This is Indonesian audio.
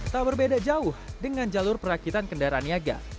tak berbeda jauh dengan jalur perakitan kendaraan niaga